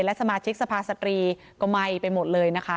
และสมาชิกสภาสตรีก็ไหม้ไปหมดเลยนะคะ